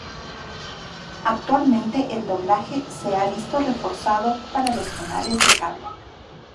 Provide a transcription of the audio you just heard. Actualmente el doblaje se ha visto reforzado para los canales de cable.